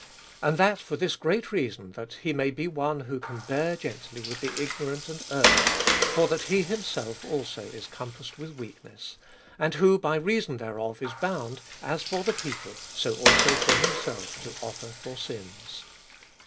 And that for this great reason that he may be one who can bear gently with the ignorant and erring, for that he himself also is compassed with weakness ; and who by reason thereof is bound, as for the people, so also for himself to offer for sins.